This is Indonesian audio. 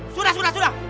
sudah sudah sudah